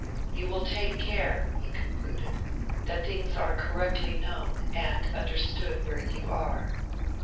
You will take care,' he concluded, 'that things are correctly known and understood where you are.'